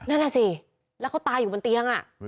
นั่นนะสิแล้วก็ตายอยู่บนเตียงอ่ะ